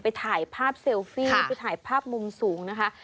ถ่ายภาพเซลฟี่ไปถ่ายภาพมุมสูงนะคะ